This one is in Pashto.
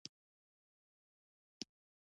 د مشخصو فرهنګي په ځانګړنو سره توپیر شي.